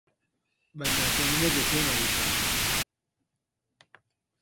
Baina Txominek ez zion aditzen.